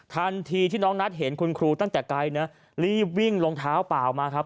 ทันทีที่น้องนัทเห็นคุณครูตั้งแต่ไกลนะรีบวิ่งลงเท้าเปล่ามาครับ